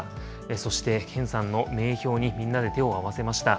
そして、健さんの名標にみんなで手を合わせました。